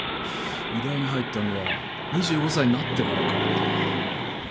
医大に入ったのは２５歳になってからか。